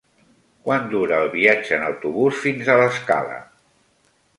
Quant dura el viatge en autobús fins a l'Escala?